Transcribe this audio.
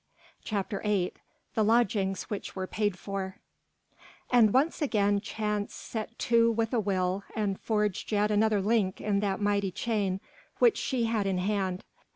CHAPTER VIII THE LODGINGS WHICH WERE PAID FOR And once again Chance set to with a will and forged yet another link in that mighty chain which she had in hand.